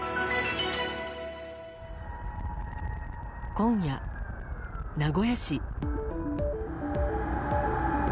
今夜、名古屋市。